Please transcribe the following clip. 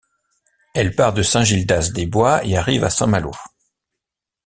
Elle part de Saint-Gildas-des-Bois et arrive à Saint-Malo.